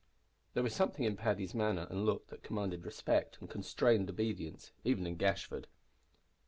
There was something in Paddy's manner and look that commanded respect and constrained obedience even in Gashford.